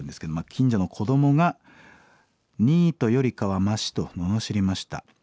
「近所の子どもがニートよりかはマシと罵りました。